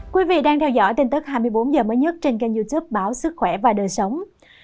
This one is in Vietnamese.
quý vị đang theo dõi tin tức hai mươi bốn h mới nhất trên kênh youtube báo sức khỏe và đời sống